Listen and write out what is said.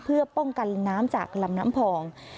เพื่อป้องกันน้ำจากลำน้ำพอง